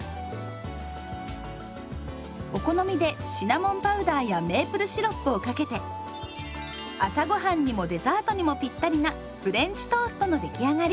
お好みでシナモンパウダーやメープルシロップをかけて朝ごはんにもデザートにもぴったりな「フレンチトースト」の出来上がり。